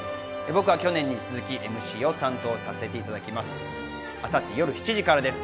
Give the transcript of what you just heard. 僕は去年に続き、ＭＣを担当させていただきます。